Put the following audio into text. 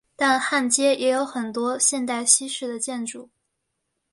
但汉街也有很多现代西式的建筑。